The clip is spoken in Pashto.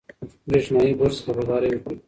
برېښنایي برس خبرداری ورکوي.